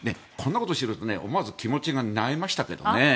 こんなことを知ると思わず気持ちが萎えましたけどね。